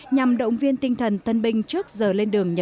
nhằm động viên tinh thần tân binh trước giờ lên đường nhập